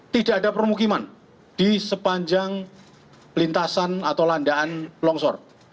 tidak ada permukiman di sepanjang lintasan atau landaan longsor